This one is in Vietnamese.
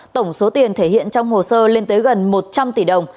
tổng số tiền thể hiện trong hồ sơ lên tới gần một trăm linh tỷ đồng